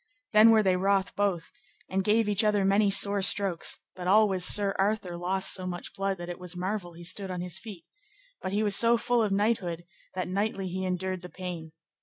Then were they wroth both, and gave each other many sore strokes, but always Sir Arthur lost so much blood that it was marvel he stood on his feet, but he was so full of knighthood that knightly he endured the pain.